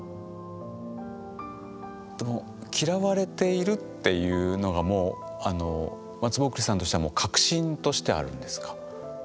嫌われているっていうのがもうまつぼっくりさんとしてはもう確信としてあるんですか？